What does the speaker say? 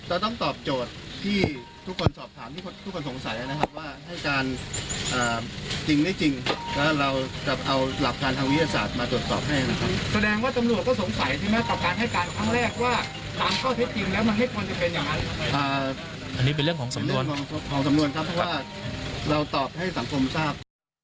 อันนี้เป็นเรื่องของสำนวนครับว่าเราตอบให้สังคมทราบ